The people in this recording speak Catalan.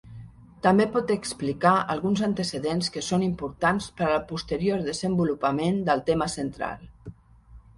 També pot explicar alguns antecedents que són importants per al posterior desenvolupament del tema central.